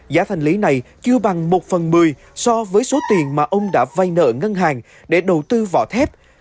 giá thành lý này chưa bằng một phần một mươi so với số tiền mà ông đã vay nợ ngân hàng để đầu tư vỏ thép